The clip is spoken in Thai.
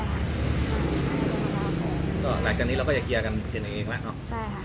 ไม่ค่ะ